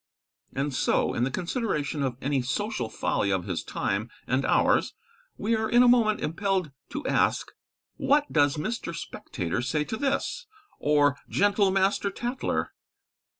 And so, in the consideration of any social folly of his time and ours, we are in a moment impelled to ask What does Mr. Spectator say to this; or gentle Master Tatler?